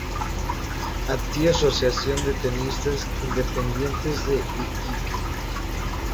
Ati asociación de tenistas independientes de iquique